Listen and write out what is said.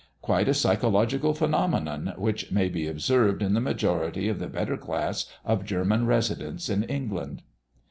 Quite a psychological phenomenon, which may be observed in the majority of the better class of German residents in England.